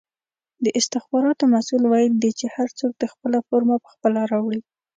د استخباراتو مسئول ویلې دي چې هر څوک دې خپله فرمه پخپله راوړي!